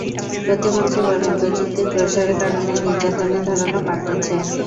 প্রতিমন্ত্রী বলেন, প্রযুক্তির প্রসারের কারণে নির্যাতনের ধরনও পাল্টেছে।